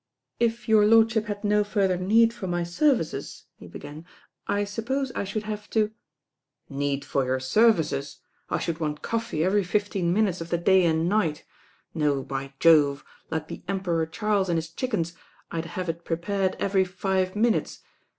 "If your lordship had no further need for my 140 services, THE RAIN GIRL he began, "I suppose I should hare "Need for your services, I should want coffee every fifteen minutes of the day and night. No, by Jove I like the Emperor Charles and his chickens, I'd have it prepared every five minutes.